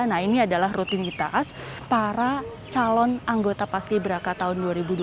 nah ini adalah rutinitas para calon anggota pasca ibraka tahun dua ribu dua puluh dua